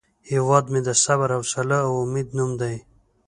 هیواد مې د صبر، حوصله او امید نوم دی